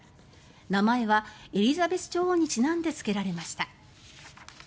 名前はエリザベス女王にちなんでつけられました。